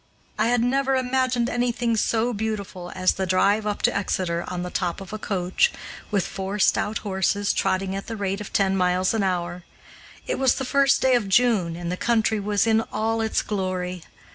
I had never imagined anything so beautiful as the drive up to Exeter on the top of a coach, with four stout horses, trotting at the rate of ten miles an hour. It was the first day of June, and the country was in all its glory.